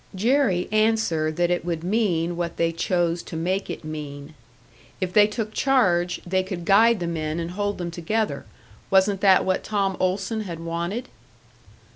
Jerry answered that it would mean what they chose to make it mean. If they took charge, they could guide the men and hold them together. Wasn't that what Tom Olson had wanted?